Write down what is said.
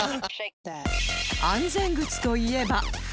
安全靴といえば